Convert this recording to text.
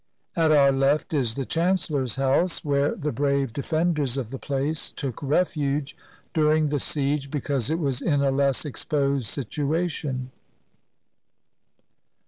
At our left is the chancellor's house, 250 WHEN THE ALLIES ENTERED PEKIN where the brave defenders of the place took refuge during the siege, because it was in a less exposed situation.